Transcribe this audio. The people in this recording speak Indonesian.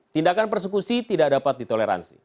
tindakan persekusi tidak dapat ditoleransi